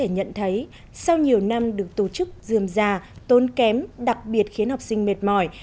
nhận thấy sau nhiều năm được tổ chức dườm già tốn kém đặc biệt khiến học sinh mệt mỏi